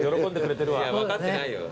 いや分かってないよ。